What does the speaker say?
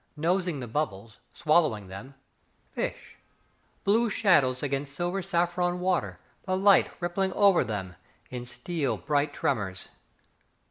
Nosing the bubbles, Swallowing them, Fish. Blue shadows against silver saffron water, The light rippling over them In steel bright tremors.